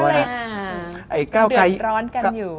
หวานแดดร้อนกันอยู่